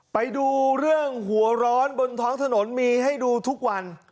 ไปดูเรื่องหัวร้อนบนท้องถนนมีให้ดูทุกวัน